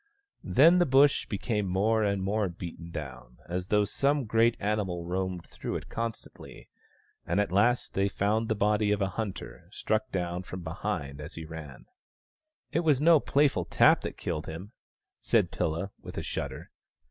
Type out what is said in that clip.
Then the Bush became more and more beaten down, as though some great animal roamed through it constantly ; and at last they found the body of a hunter, struck down from behind as he ran. 28 THE STONE AXE OF BURKAMUKK " It was no playful tap that killed him," said Pilla, with a shudder.